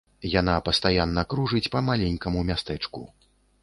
Яна пастаянна кружыць па маленькаму мястэчку.